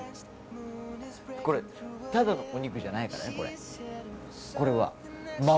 これ、ただのお肉じゃないからね。